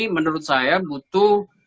menurut saya butuh